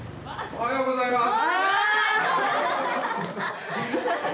おはようございます。